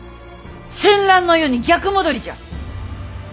戦乱の世に逆戻りじゃ。